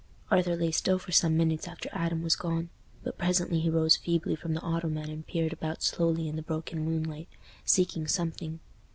Arthur lay still for some minutes after Adam was gone, but presently he rose feebly from the ottoman and peered about slowly in the broken moonlight, seeking something.